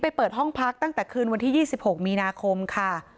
เปิดห้องพักตั้งแต่คืนวันที่๒๖มีนาคมค่ะ